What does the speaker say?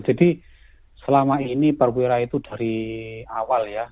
jadi selama ini perwira itu dari awal ya